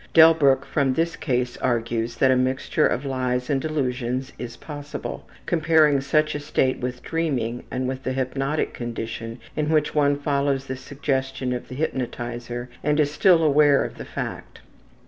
Delbruck from this case argues that a mixture of lies and delusions is possible, comparing such a state with dreaming and with the hypnotic condition in which one follows the suggestion of the hypnotizer and is still aware of the fact.